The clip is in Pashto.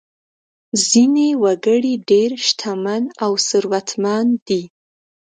ځینې وګړي ډېر شتمن او ثروتمند دي.